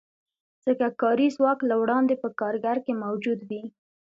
ځکه کاري ځواک له وړاندې په کارګر کې موجود وي